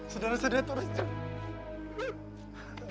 saudara saudara saya turun